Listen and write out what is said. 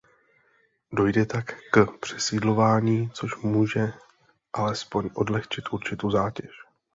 Dojde tak k přesídlování, což může alespoň odlehčit určitou zátěž.